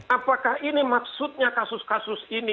apakah ini maksudnya kasus kasus ini